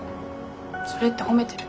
それって褒めてる？